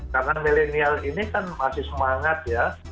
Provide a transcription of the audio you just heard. karena milenial ini kan masih semangat ya